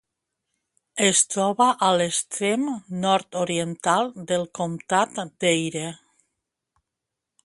Es troba a l'extrem nord-oriental del comtat d'Erie.